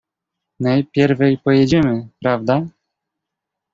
"Najpierwej pojedziemy, prawda?"